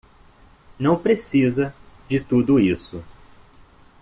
Não precisa de tudo isso.